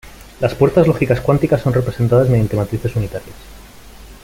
Las puertas lógicas cuánticas son representadas mediante matrices unitarias.